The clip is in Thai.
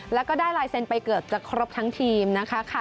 แล้วก็ได้ลายเซ็นต์ไปเกือบจะครบทั้งทีมนะคะ